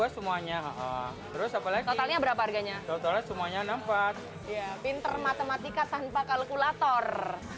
semuanya terus apalagi berapa harganya semuanya enam puluh empat pinter matematika tanpa kalkulator